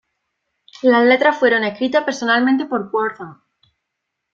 Las letras fueron escritas personalmente por Quorthon.